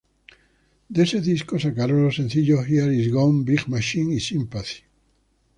De este disco sacaron los sencillos: Here is gone, Big machine y Sympathy.